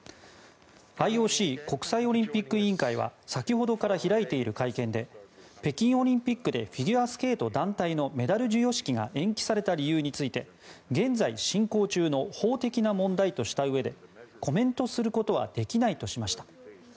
ＩＯＣ・国際オリンピック委員会は先ほどから開いている会見で北京オリンピックでフィギュアスケート団体のメダル授与式が延期された理由について現在進行中の法的な問題としたうえでコメントすることはできないとしました。